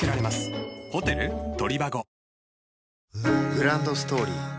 グランドストーリー